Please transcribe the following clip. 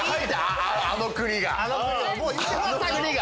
あの国が！